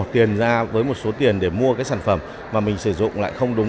tiền ra với một số tiền để mua cái sản phẩm mà mình sử dụng lại không đúng